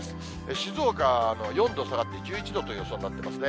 静岡は４度下がって１１度という予想になってますね。